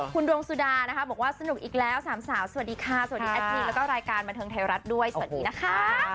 คุณดวงสุดานะคะบอกว่าสนุกอีกแล้วสามสาวสวัสดีค่ะสวัสดีแอดมินแล้วก็รายการบันเทิงไทยรัฐด้วยสวัสดีนะคะ